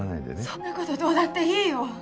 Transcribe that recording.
そんな事どうだっていいよ。